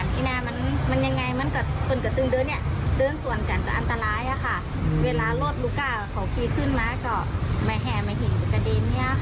เพราะว่ามันมีเศษเล็กเศษน้อยอะไรอย่างนี้